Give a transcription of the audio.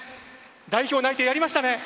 代表内定、やりましたね。